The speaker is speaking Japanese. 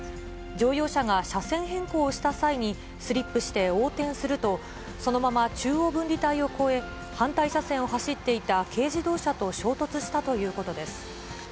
乗用車が車線変更をした際にスリップして横転すると、そのまま中央分離帯を越え、反対車線を走っていた軽自動車と衝突したということです。